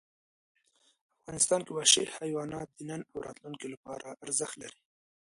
افغانستان کې وحشي حیوانات د نن او راتلونکي لپاره ارزښت لري.